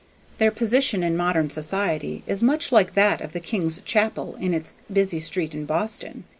Their position in modern society is much like that of the King's Chapel in its busy street in Boston.